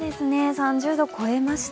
３０度、超えました。